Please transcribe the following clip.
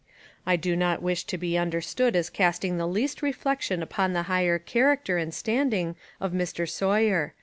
I do not wish to be understood as casting the least reflec tion upon the higher character and standing of Mr. Sawyer.